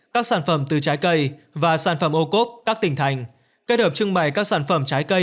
các sản phẩm từ trái cây và sản phẩm ô cốp các tỉnh thành kết hợp trưng bày các sản phẩm trái cây